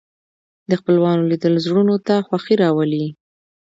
د خپلوانو لیدل زړونو ته خوښي راولي